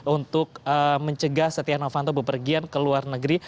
untuk mencegah setia novanto berpergian ke luar negeri